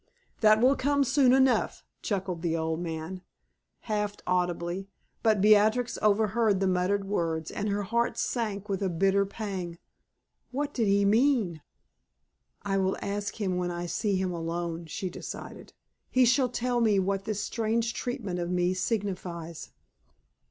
"That will come soon enough," chuckled the old man, half audibly; but Beatrix overheard the muttered words, and her heart sank with a bitter pang. What did he mean? "I will ask him when I see him alone," she decided. "He shall tell me what this strange treatment of me signifies."